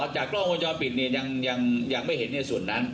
อ๋อจากกล้องกดจอปิดเนี้ยยังยังยังไม่เห็นเนี้ยส่วนนั้น